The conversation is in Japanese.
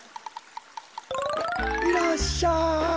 いらっしゃい。